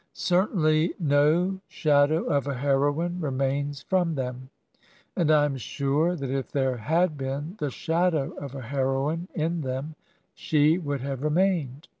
Certainly, no shadow of a heroine remains from them, and I am sure that if there had been the shadow of a heroine in them she would have remained.